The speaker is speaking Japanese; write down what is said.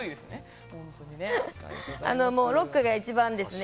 ロックが一番ですね。